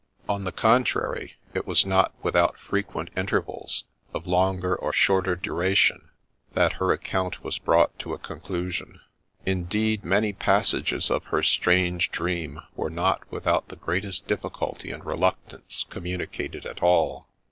On the contrary, it was not without frequent intervals, of longer or shorter duration, that her account was brought to a conclusion : indeed, many passages of her strange dream were not without the greatest difficulty and reluctance communicated at all.